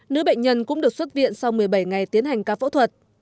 nữ bệnh nhân cũng được xuất viện sau một mươi bảy ngày tiến hành ca phẫu thuật